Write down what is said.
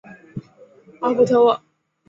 奥普特沃。